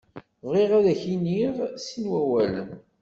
Bɣiɣ ad k-d-iniɣ sin wawalen.